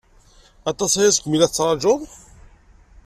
Aṭas aya segmi la tettṛajuḍ?